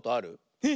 えっ！